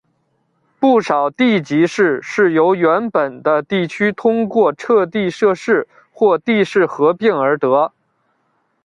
不少地级市是由原本的地区通过撤地设市或地市合并而得。